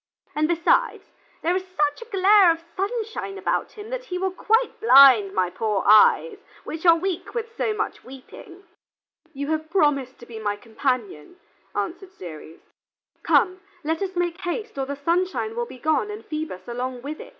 And, besides, there is such a glare of sunshine about him that he will quite blind my poor eyes, which are weak with so much weeping." "You have promised to be my companion," answered Ceres. "Come, let us make haste, or the sunshine will be gone and Phoebus along with it."